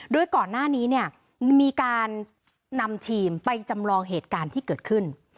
โดยก่อนหน้านี้เนี่ยมีการนำทีมไปจำลองเหตุการณ์ที่เกิดขึ้น